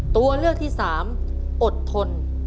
ตัวเลือกที่๓อดทน